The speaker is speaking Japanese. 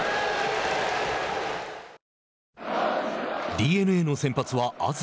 ＤｅＮＡの先発は東。